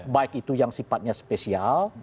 baik itu yang sifatnya spesial